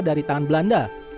dari tangan belanda